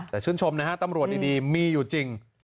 แต่ชื่นชมนะฮะตำรวจดีมีอยู่จริง